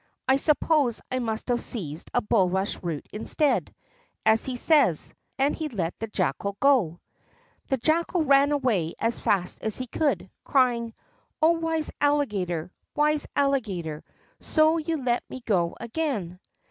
I suppose I must have seized a bulrush root instead, as he says," and he let the Jackal go. The Jackal ran away as fast as he could, crying: "O wise Alligator, wise Alligator! So you let me go again!"